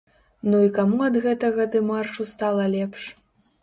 Ну і каму ад гэтага дэмаршу стала лепш?